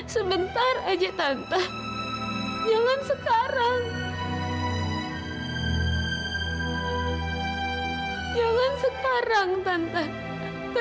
sampai jumpa di video selanjutnya